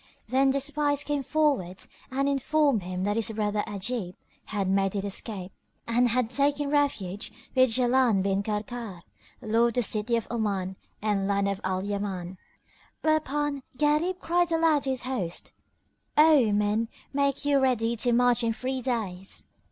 Then the spies came forwards, and informed him that his brother Ajib had made his escape and had taken refuge with Jaland[FN#12] bin Karkar, lord of the city of Oman and land of Al Yaman; whereupon Gharib cried aloud to his host, "O men, make you ready to march in three days."